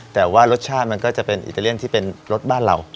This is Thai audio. แต่ว่ารสชาติมันก็จะเป็นอิตาเลียนที่เป็นรสบ้านเรา